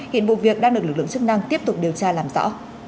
hiện vụ việc đang được lực lượng chức năng tiếp tục điều tra làm rõ